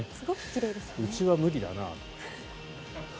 うちは無理だな。